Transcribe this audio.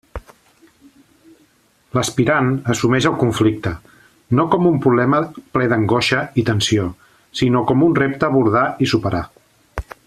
L'aspirant assumix el conflicte, no com un problema ple d'angoixa i tensió, sinó com un repte a abordar i superar.